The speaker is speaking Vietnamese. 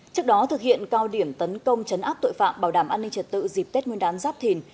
trước đó thực hiện cao điểm tấn công chấn áp tội phạm bảo đảm an ninh trật tự dịp tết nguyên đán giáp thìn